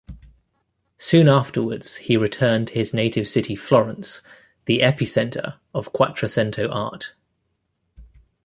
Soon afterwards he returned to his native city Florence, the epicenter of "Quattrocento" art.